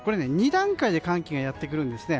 ２段階で寒気がやってくるんですね。